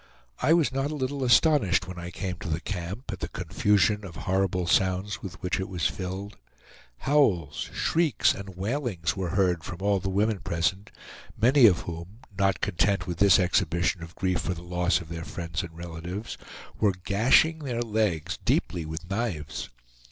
I was not a little astonished when I came to the camp, at the confusion of horrible sounds with which it was filled; howls, shrieks, and wailings were heard from all the women present, many of whom not content with this exhibition of grief for the loss of their friends and relatives, were gashing their legs deeply with knives.